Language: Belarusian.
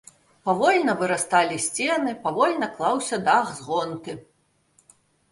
Павольна вырасталі сцены, павольна клаўся дах з гонты.